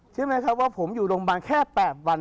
ใช่ไหมครับว่าผมอยู่โรงพยาบาลแค่๘วัน